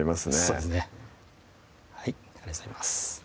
そうですねはいありがとうございます